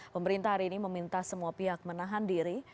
pemerintah hari ini meminta semua pihak menahan diri